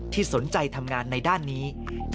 สนใจทำงานในด้านนี้